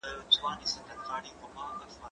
که وخت وي، خواړه ورکوم،